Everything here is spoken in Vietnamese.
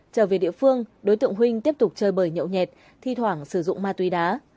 trở về địa phương đối tượng huỳnh tiếp tục chơi bời nhậu nhẹt thi thoảng sử dụng ma túy đá